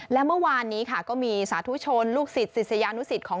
แล้วเมื่อวานนี้ก็มีสาธุชนลูกศิษย์สิทธิญานุสิทธิ์ของ